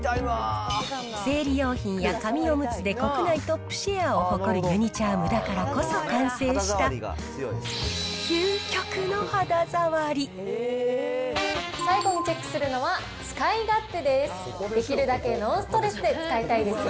生理用品や紙おむつで国内トップシェアを誇るユニ・チャームだからこそ完成した、最後にチェックするのは、使い勝手です。